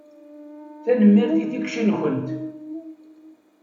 Tanemmirt i tikci-nkent.